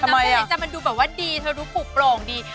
อาบน้ำใต้แสงจันทร์มันดูแบบว่าดีมันดูปลูกโปร่งดี